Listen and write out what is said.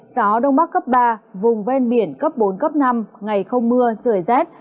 gió đông bắc cấp ba vùng ven biển cấp bốn cấp năm ngày không mưa trời rét